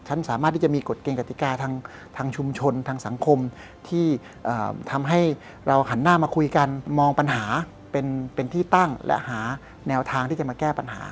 ฉันสามารถที่จะมีกฎเกณฑิกาทางชุมชนทางสังคมที่ทำให้เราหันหน้ามาคุยกันมองปัญหาเป็นที่ตั้งและหาแนวทางที่จะมาแก้ปัญหา